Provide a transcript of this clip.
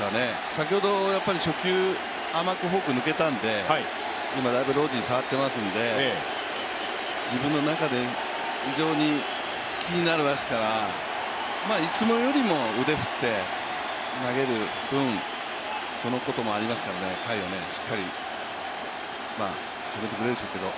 先ほど初球、甘くフォーク抜けたんで今、だいぶロジン触っていますので自分の中で非常に気になってますからいつもよりも腕振って投げる分、そのこともありますから甲斐はしっかり止めてくれるでしょうけど。